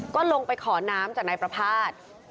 ก็ลงไปขอน้ำจากในประพาท